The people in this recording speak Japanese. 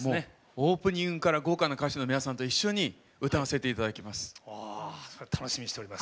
オープニングから豪華な歌手の皆さんと一緒に歌わせていただきます。